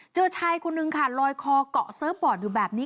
เจอชายคนนึงค่ะลอยคอเกาะเซิร์ฟบอร์ดอยู่แบบนี้